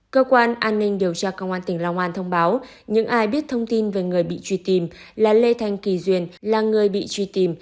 cơ quan an ninh điều tra công an tỉnh long an thông báo những ai biết thông tin về người bị truy tìm là lê thanh kỳ duyên là người bị truy tìm